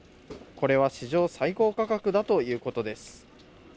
これは史上最高価格だということです。